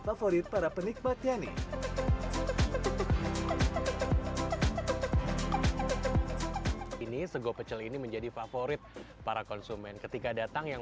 favorit para penikmatnya nih ini sego pecel ini menjadi favorit para konsumen ketika datang yang